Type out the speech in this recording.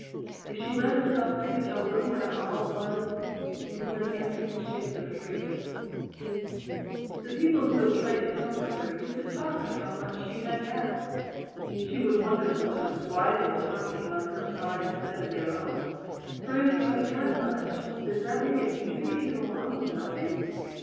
If she let herself think of how little that all was it was an emptiness she was afraid of. The people who had tried to comfort her used to talk of how much she had had. She would wonder sometimes why they were talking on her side instead of their own. For if you have had much does that make it easy to get along with nothing?